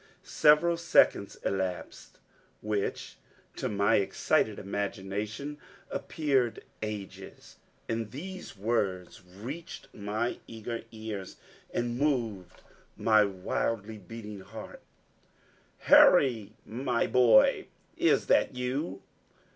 Several seconds elapsed, which to my excited imagination, appeared ages; and these words reached my eager ears, and moved my wildly beating heart: "Harry, my boy, is that you?"